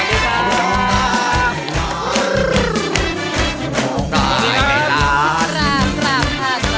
คนปัญญากับตญ